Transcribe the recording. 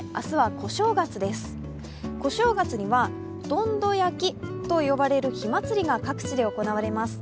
小正月には、どんど焼きと呼ばれる火祭りが各地で行われます。